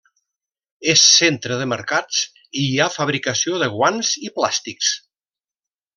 És centre de mercats i hi ha fabricació de guants i plàstics.